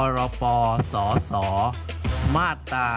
ธสมาตรา๑๒๗